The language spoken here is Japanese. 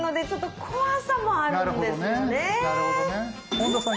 本田さん